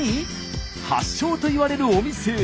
発祥といわれるお店へ！